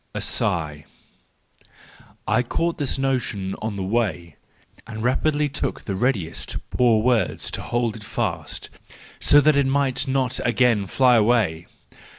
A Sigh .—I caught this notion on the way, and rapidly took the readiest, poor words to hold it fast, so that it might not again fly away.